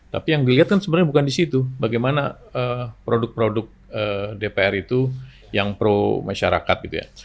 tapi yang dilihat kan sebenarnya bukan di situ bagaimana produk produk dpr itu yang pro masyarakat gitu ya